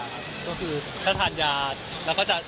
บางครูถ่ายไว้กันนี่ก็คือถ้าทานยาด